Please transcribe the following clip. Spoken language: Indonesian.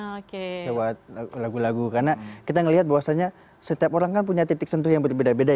oke lewat lagu lagu karena kita melihat bahwasannya setiap orang kan punya titik sentuh yang berbeda beda